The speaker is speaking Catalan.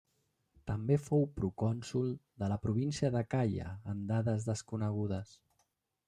També fou Procònsol de la província d'Acaia en dades desconegudes.